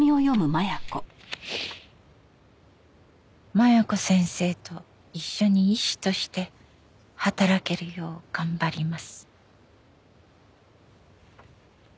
「麻弥子先生と一緒に医師として働けるようがんばります」